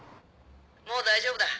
もう大丈夫だ。